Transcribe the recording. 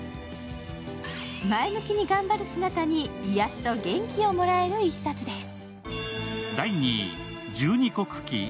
前向きに頑張る姿に癒やしと元気をもらえる一冊です。